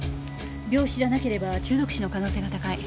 病死じゃなければ中毒死の可能性が高い。